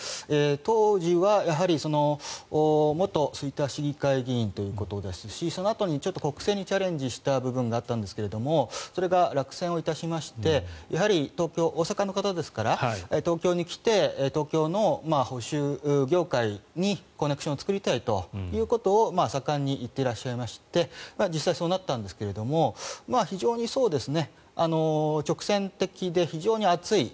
当時はやはり元吹田市議会議員ということですしそのあとにちょっと国政にチャレンジした部分があったんですがそれが落選いたしまして大阪の方ですから東京に来て東京の保守業界にコネクションを作りたいということを盛んに言ってらっしゃいまして実際そうなったんですが非常に直線的で非常に熱い。